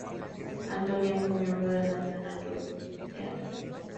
Antonia fue miembro del "National Youth Theatre".